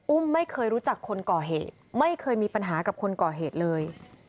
ไม่เคยรู้จักคนก่อเหตุไม่เคยมีปัญหากับคนก่อเหตุเลย